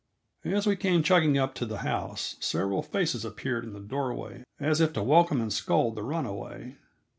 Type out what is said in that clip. As we came chugging up to the house, several faces appeared in the doorway as if to welcome and scold the runaway.